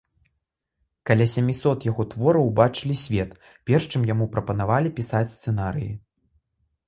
Каля сямісот яго твораў убачылі свет, перш чым яму прапанавалі пісаць сцэнарыі.